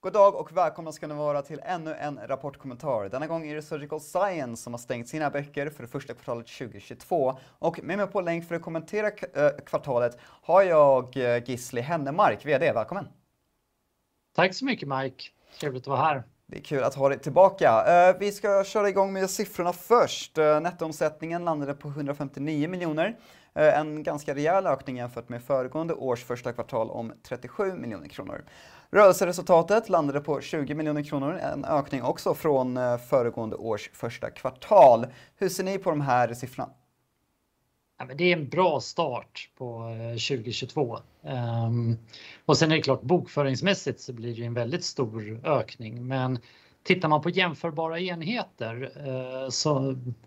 Goddag och välkomna ska ni vara till ännu en Rapport Kommentar. Denna gång är det Surgical Science som har stängt sina böcker för första kvartalet 2022. Med mig på länk för att kommentera kvartalet har jag Gisli Hennermark, VD. Välkommen. Tack så mycket, Mike. Trevligt att vara här. Det är kul att ha dig tillbaka. Vi ska köra igång med siffrorna först. Nettoomsättningen landade på SEK 159 miljoner. En ganska rejäl ökning jämfört med föregående års första kvartal om SEK 37 miljoner kronor. Rörelseresultatet landade på SEK 20 miljoner kronor, en ökning också från föregående års första kvartal. Hur ser ni på de här siffrorna? Det är en bra start på 2022. Sen är det klart, bokföringsmässigt så blir det ju en väldigt stor ökning. Tittar man på jämförbara enheter,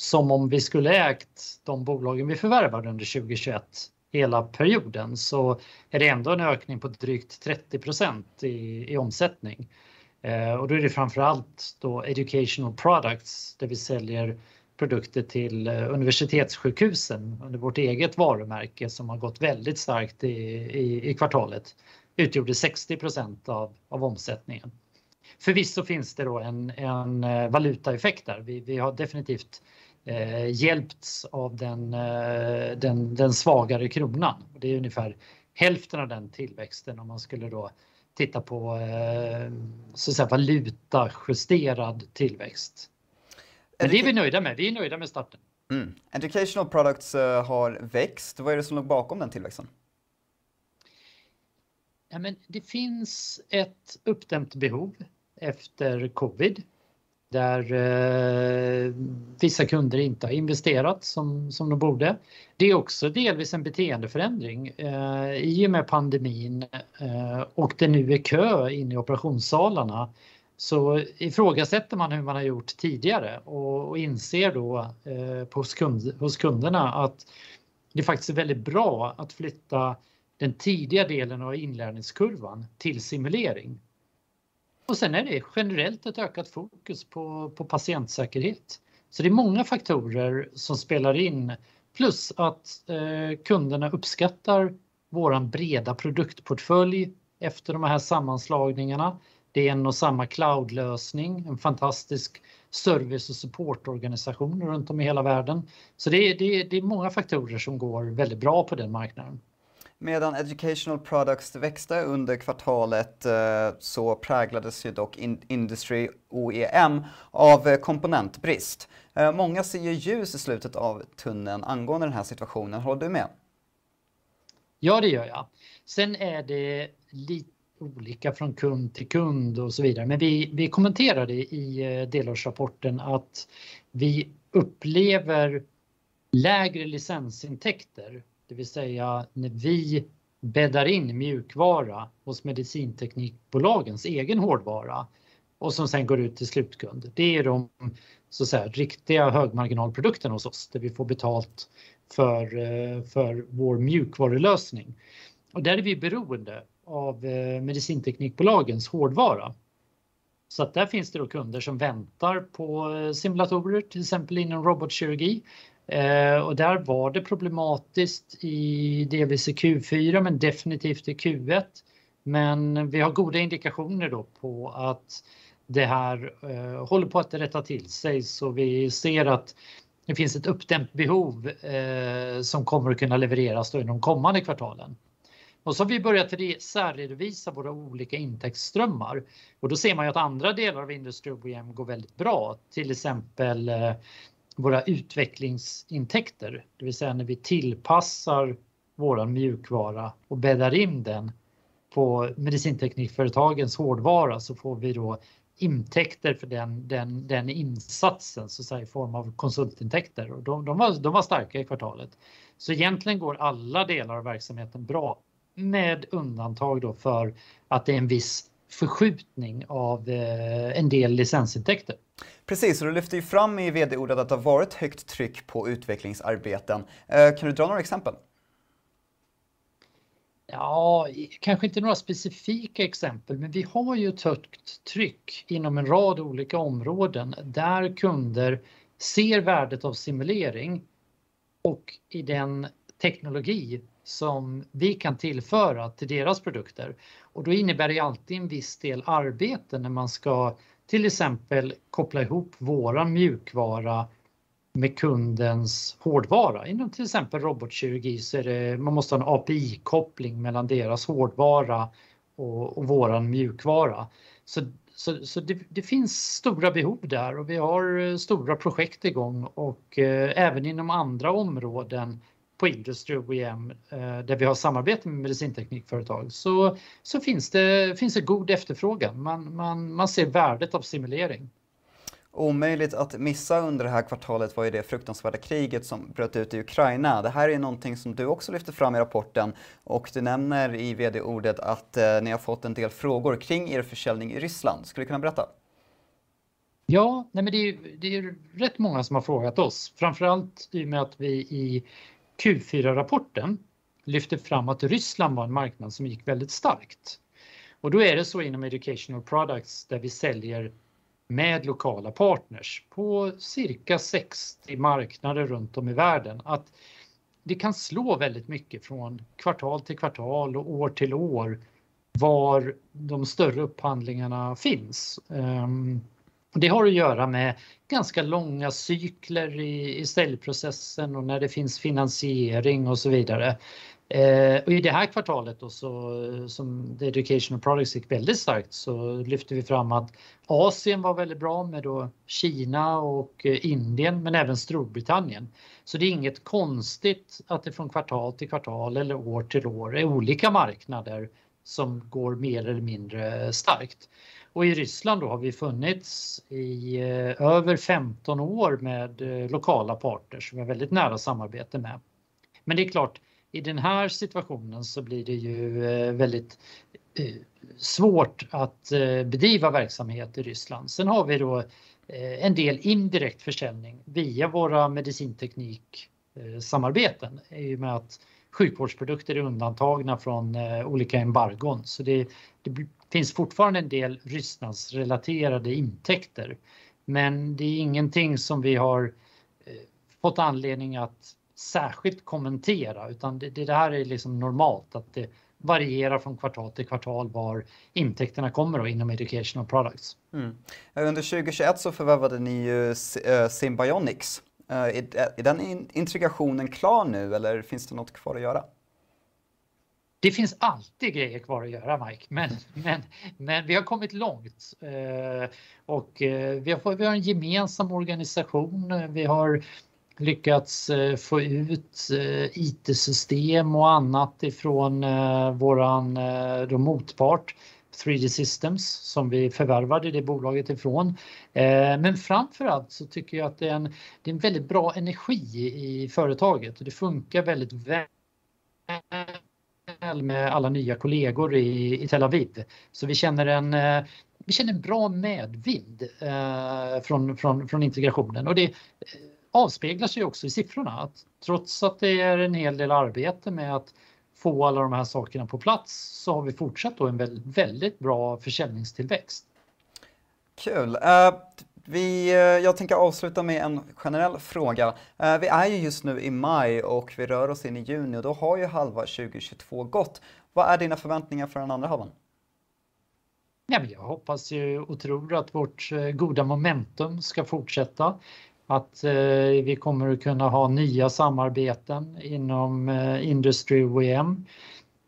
som om vi skulle ägt de bolagen vi förvärvade under 2021 hela perioden, så är det ändå en ökning på drygt 30% i omsättning. Då är det framför allt Educational Products, där vi säljer produkter till universitetssjukhusen under vårt eget varumärke som har gått väldigt starkt i kvartalet, utgjorde 60% av omsättningen. Förvisso finns det då en valutaeffekt där. Vi har definitivt hjälpts av den svagare kronan. Det är ungefär hälften av den tillväxten om man skulle då titta på så att säga valutajusterad tillväxt. Det är vi nöjda med. Vi är nöjda med starten. Educational Products har växt. Vad är det som ligger bakom den tillväxten? Det finns ett uppdämt behov efter Covid, där vissa kunder inte har investerat som de borde. Det är också delvis en beteendeförändring. I och med pandemin, och det nu är kö inne i operationssalarna, så ifrågasätter man hur man har gjort tidigare och inser då hos kunderna att det faktiskt är väldigt bra att flytta den tidiga delen av inlärningskurvan till simulering. Sen är det generellt ett ökat fokus på patientsäkerhet. Det är många faktorer som spelar in. Kunderna uppskattar vår breda produktportfölj efter de här sammanslagningarna. Det är en och samma cloudlösning, en fantastisk service- och supportorganisation runt om i hela världen. Det är många faktorer som går väldigt bra på den marknaden. Medan Educational Products växte under kvartalet, så präglades ju dock Industry OEM av komponentbrist. Många ser ju ljus i slutet av tunneln angående den här situationen. Håller du med? Ja, det gör jag. Det är lite olika från kund till kund och så vidare. Vi kommenterade i delårsrapporten att vi upplever lägre licensintäkter, det vill säga när vi bäddar in mjukvara hos medicinteknikbolagens egen hårdvara och som sen går ut till slutkund. Det är de, så att säga, riktiga högmarginalprodukterna hos oss, där vi får betalt för vår mjukvarulösning. Där är vi beroende av medicinteknikbolagens hårdvara. Där finns det kunder som väntar på simulatorer, till exempel inom robotkirurgi. Där var det problematiskt delvis i Q4, men definitivt i Q1. Vi har goda indikationer på att det här håller på att rätta till sig. Vi ser att det finns ett uppdämt behov som kommer att kunna levereras inom kommande kvartalen. Vi har börjat särredovisa våra olika intäktsströmmar. Då ser man ju att andra delar av Industry OEM går väldigt bra. Till exempel våra utvecklingsintäkter, det vill säga när vi tillpassar vår mjukvara och bäddar in den på medicinteknikföretagens hårdvara, så får vi då intäkter för den insatsen så att säga i form av konsultintäkter. De var starka i kvartalet. Egentligen går alla delar av verksamheten bra. Med undantag då för att det är en viss förskjutning av en del licensintäkter. Precis, och du lyfter ju fram i VD-ordet att det har varit högt tryck på utvecklingsarbeten. Kan du dra några exempel? Ja, kanske inte några specifika exempel, men vi har ju ett högt tryck inom en rad olika områden där kunder ser värdet av simulering och i den teknologi som vi kan tillföra till deras produkter. Då innebär det ju alltid en viss del arbete när man ska till exempel koppla ihop vår mjukvara med kundens hårdvara. Inom till exempel robotkirurgi så är det man måste ha en API-koppling mellan deras hårdvara och vår mjukvara. Så det finns stora behov där och vi har stora projekt i gång och även inom andra områden på Industry OEM, där vi har samarbete med medicinteknikföretag, så finns det god efterfrågan. Man ser värdet av simulering. Omöjligt att missa under det här kvartalet var ju det fruktansvärda kriget som bröt ut i Ukraina. Det här är någonting som du också lyfter fram i rapporten och du nämner i VD-ordet att ni har fått en del frågor kring er försäljning i Ryssland. Skulle du kunna berätta? Ja, nej men det är rätt många som har frågat oss. Framför allt i och med att vi i Q4-rapporten lyfter fram att Ryssland var en marknad som gick väldigt starkt. Då är det så inom Educational Products, där vi säljer med lokala partners på cirka 60 marknader runt om i världen. Att det kan slå väldigt mycket från kvartal till kvartal och år till år där de större upphandlingarna finns. Det har att göra med ganska långa cykler i säljprocessen och när det finns finansiering och så vidare. I det här kvartalet då så, som Educational Products gick väldigt starkt, så lyfter vi fram att Asien var väldigt bra med då Kina och Indien, men även Storbritannien. Det är inget konstigt att det från kvartal till kvartal eller år till år är olika marknader som går mer eller mindre starkt. I Ryssland då har vi funnits i över 15 år med lokala partners som vi har väldigt nära samarbete med. Det är klart, i den här situationen så blir det ju väldigt, svårt att bedriva verksamhet i Ryssland. Har vi då en del indirekt försäljning via våra medicintekniksamarbeten i och med att sjukvårdsprodukter är undantagna från olika embargon. Det finns fortfarande en del Rysslandsrelaterade intäkter. Det är ingenting som vi har fått anledning att särskilt kommentera, utan det här är liksom normalt att det varierar från kvartal till kvartal var intäkterna kommer inom Educational Products. Under 2021 så förvärvade ni ju Simbionix. Är den integrationen klar nu eller finns det något kvar att göra? Det finns alltid grejer kvar att göra, Mike. Vi har kommit långt. Vi har en gemensam organisation. Vi har lyckats få ut IT-system och annat ifrån vår motpart 3D Systems som vi förvärvade det bolaget ifrån. Framför allt så tycker jag att det är en väldigt bra energi i företaget och det funkar väldigt väl med alla nya kollegor i Tel Aviv. Vi känner en bra medvind från integrationen och det avspeglar sig också i siffrorna. Trots att det är en hel del arbete med att få alla de här sakerna på plats så har vi fortsatt då en väldigt bra försäljningstillväxt. Kul! Jag tänker avsluta med en generell fråga. Vi är ju just nu i maj och vi rör oss in i juni. Då har ju halva 2022 gått. Vad är dina förväntningar för den andra halvan? Ja, men jag hoppas ju otroligt att vårt goda momentum ska fortsätta. Att vi kommer att kunna ha nya samarbeten inom Industry OEM.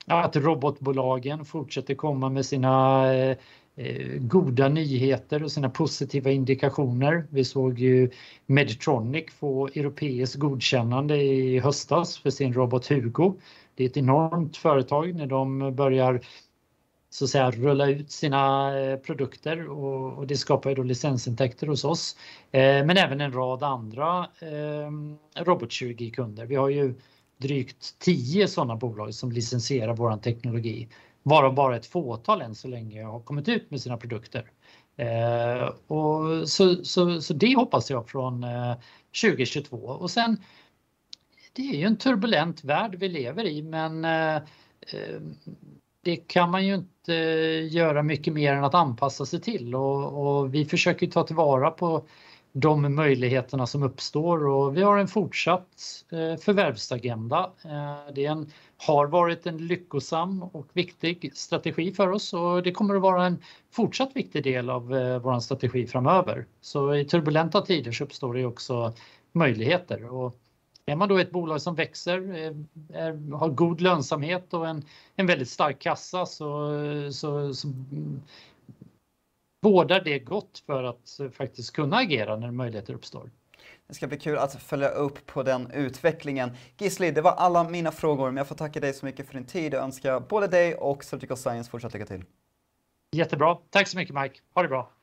Att robotbolagen fortsätter komma med sina goda nyheter och sina positiva indikationer. Vi såg ju Medtronic få europeiskt godkännande i höstas för sin robot Hugo. Det är ett enormt företag när de börjar så att säga rulla ut sina produkter och det skapar ju då licensintäkter hos oss, men även en rad andra robotkirurgikunder. Vi har ju drygt tio sådana bolag som licensierar vår teknologi, varav bara ett fåtal än så länge har kommit ut med sina produkter. Så det hoppas jag från 2022. Sen, det är ju en turbulent värld vi lever i, men det kan man ju inte göra mycket mer än att anpassa sig till och vi försöker ta till vara på de möjligheterna som uppstår. Vi har en fortsatt förvärvsagenda. Det har varit en lyckosam och viktig strategi för oss och det kommer att vara en fortsatt viktig del av vår strategi framöver. I turbulenta tider så uppstår det också möjligheter och är man då ett bolag som växer, har god lönsamhet och en väldigt stark kassa, så bådar det gott för att faktiskt kunna agera när möjligheter uppstår. Det ska bli kul att följa upp på den utvecklingen. Gisli, det var alla mina frågor, men jag får tacka dig så mycket för din tid och önska både dig och Surgical Science fortsatt lycka till. Jättebra. Tack så mycket, Mike. Ha det bra.